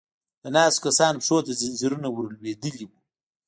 د ناستو کسانو پښو ته ځنځيرونه ور لوېدلې و.